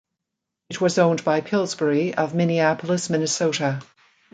It was owned by Pillsbury of Minneapolis, Minnesota.